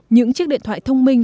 những chiếc điện thoại thông minh